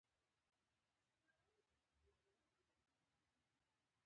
پښتو دواړو لورو ته ګډ میراث دی.